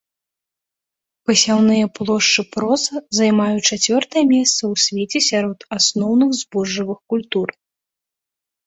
Пасяўныя плошчы проса займаюць чацвёртае месца ў свеце сярод асноўных збожжавых культур.